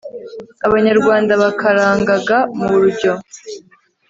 abanyarwanda bakarangaga mu rujyo